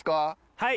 はい！